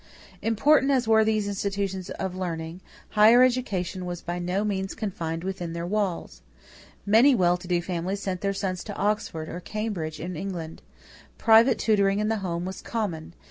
= Important as were these institutions of learning, higher education was by no means confined within their walls. Many well to do families sent their sons to Oxford or Cambridge in England. Private tutoring in the home was common.